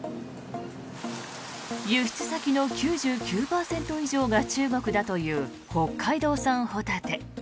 輸出先の９９％以上が中国だという北海道産ホタテ。